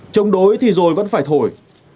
trong đối thì rồi vẫn phải thổi